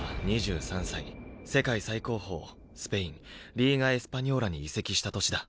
世界最高峰スペインリーガ・エスパニョーラに移籍した年だ。